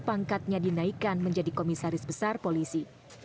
pangkatnya dinaikkan menjadi komisaris besar polisi